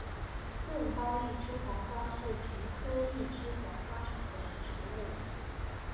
钝苞一枝黄花是菊科一枝黄花属的植物。